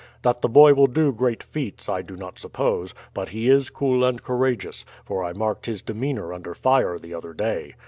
That the boy will do great feats I do not suppose; but he is cool and courageous, for I marked his demeanour under fire the other day.